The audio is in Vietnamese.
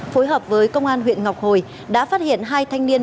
phối hợp với công an huyện ngọc hồi đã phát hiện hai thanh niên